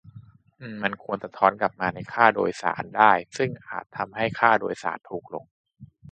อือ มันควร "สะท้อน" กลับมาในค่าโดยสารได้ ซึ่งอาจทำให้ค่าโดยสารถูกลงด้วย